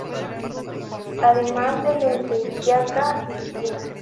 Además de los de Quiaca y Sina.